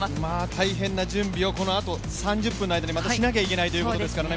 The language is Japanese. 大変な準備をこのあと３０分の間にしなきゃいけないということですからね。